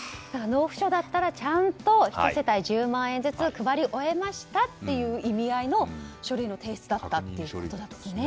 納付書だったらちゃんと１世帯１０万円ずつ配り終えましたという意味合いの書類の提出だったってことですね。